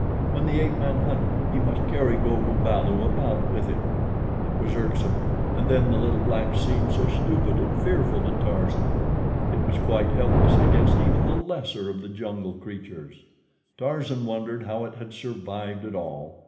When the ape man hunted, he must carry Go bu balu about with him. It was irksome, and then the little black seemed so stupid and fearful to Tarzan. It was quite helpless against even the lesser of the jungle creatures. Tarzan wondered how it had survived at all.